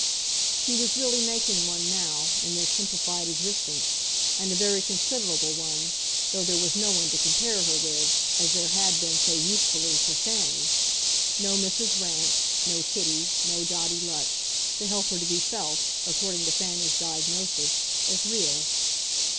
She was really making one now, in their simplified existence, and a very considerable one, though there was no one to compare her with, as there had been, so usefully, for Fanny no Mrs. Rance, no Kitty, no Dotty Lutch, to help her to be felt, according to Fanny's diagnosis, as real.